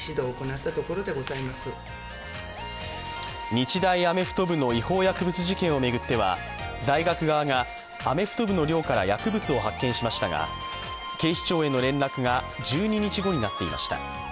日大アメフト部の違法薬物事件を巡っては大学側がアメフト部の寮から薬物を発見しましたが、警視庁への連絡が１２日後になっていました。